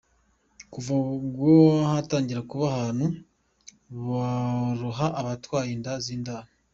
Kuva ubwo hatangira kuba ahantu baroha abatwaye inda z’indaro.